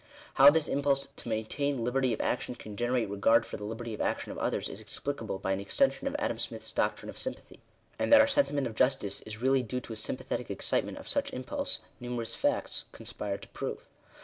How this impulse to main tain liberty of action can generate regard for the liberty of action of others, is explicable by an extension of Adam Smith 's doctrine of Sympathy ; and that our sentiment of justice is really due to a sympathetic excitement of such impulse, nume rous facts conspire to prove.